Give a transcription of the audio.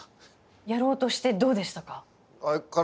やろうとしてどうでしたか？